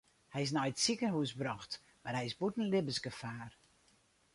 Hy is nei it sikehús brocht mar hy is bûten libbensgefaar.